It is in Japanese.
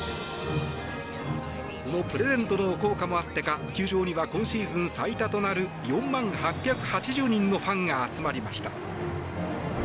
このプレゼントの効果もあってか球場には今シーズン最多となる４万８８０人のファンが集まりました。